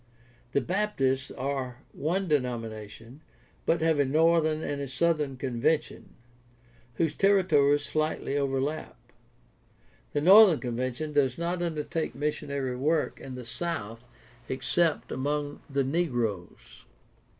The Baptists are one denomination, but have a northern and a southern convention, whose territories slightly overlap. The northern convention does not undertake missionary work in the South except among the negroes.